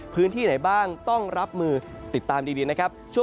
พื้นที่ไหนบ้างต้องรับมือติดตามดีนะครับ